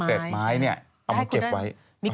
เนื้อเซศนไม้เนี่ยเอามาเก็บไว้